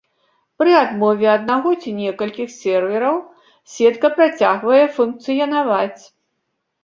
Пры адмове аднаго ці некалькіх сервераў, сетка працягвае функцыянаваць.